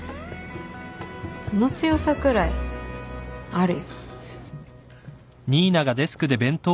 その強さくらいあるよ。